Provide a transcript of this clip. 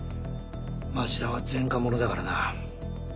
町田は前科者だからな。